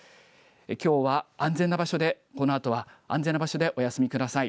きょうはこのあとは安全な場所でお休みください。